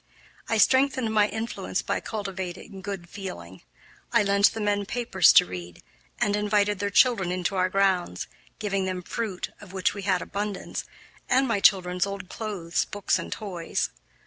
I strengthened my influence by cultivating good feeling. I lent the men papers to read, and invited their children into our grounds; giving them fruit, of which we had abundance, and my children's old clothes, books, and toys.